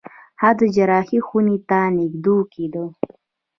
هغه د جراحي خونې ته لېږدول کېده.